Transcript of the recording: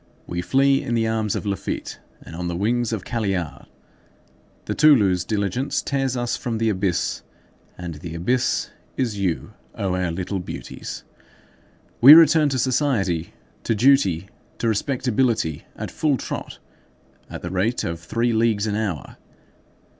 We flee in the arms of Laffitte and on the wings of Caillard. The Toulouse diligence tears us from the abyss, and the abyss is you, O our little beauties! We return to society, to duty, to respectability, at full trot, at the rate of three leagues an hour.